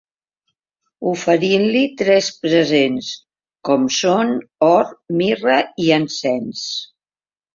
Oferint-li tres presents, com són or, mirra i encens.